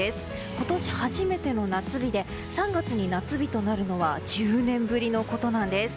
今年初めての夏日で３月に夏日になるのは１０年ぶりのことなんです。